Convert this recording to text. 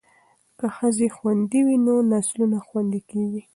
که ښځې خوندي وي نو نسلونه خوندي کیږي.